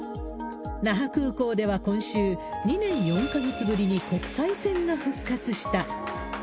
那覇空港では今週、２年４か月ぶりに国際線が復活した。